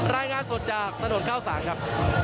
รายงานสดจากถนนข้าวสารครับ